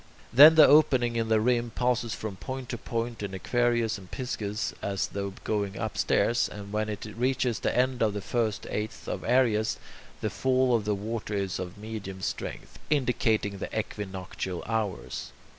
Then the opening in the rim passes from point to point in Aquarius and Pisces, as though going upstairs, and when it reaches the end of the first eighth of Aries, the fall of the water is of medium strength, indicating the equinoctial hours.